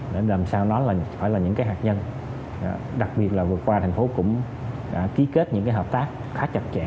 để làm sao nó phải là những hạt nhân đặc biệt là vừa qua thành phố cũng ký kết những hợp tác khá chặt chẽ